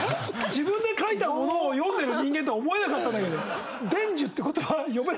自分で書いたものを読んでる人間とは思えなかったんだけど。